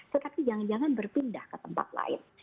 tetapi jangan jangan berpindah ke tempat lain